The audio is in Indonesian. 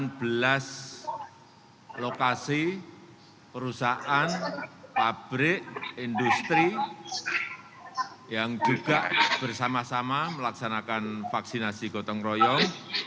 ada belas lokasi perusahaan pabrik industri yang juga bersama sama melaksanakan vaksinasi gotong royong